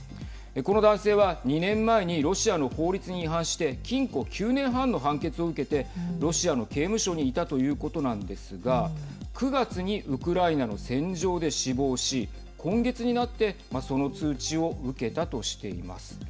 この男性は２年前にロシアの法律に違反して禁錮９年半の判決を受けてロシアの刑務所にいたということなんですが９月にウクライナの戦場で死亡し今月になってその通知を受けたとしています。